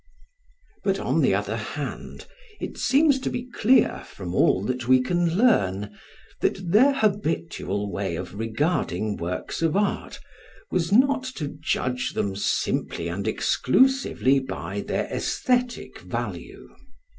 But on the other hand, it seems to be clear from all that we can learn, that their habitual way of regarding works of art was not to judge them simply and exclusively by their aesthetic value.